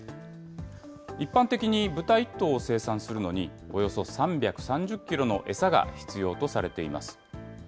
一般的に豚１頭を生産するのに、およそ３３０キロの餌が必要とされています。